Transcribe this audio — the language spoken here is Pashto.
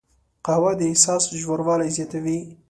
قهوه د احساس ژوروالی زیاتوي